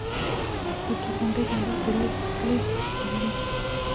تورغونډۍ بندر د ریل پټلۍ لري؟